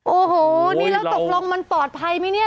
โอ้โหนี่แล้วตกลงมันปลอดภัยไหมเนี่ย